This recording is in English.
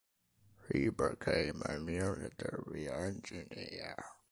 He became a military engineer.